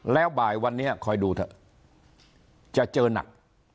แล้วบ่ายวันนี้คอยดูเถอะจะเจอหนัก